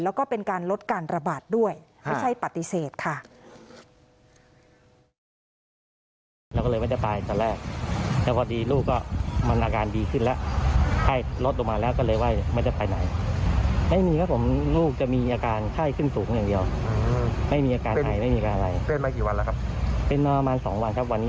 แล้วก็เป็นการลดการระบาดด้วยไม่ใช่ปฏิเสธค่ะ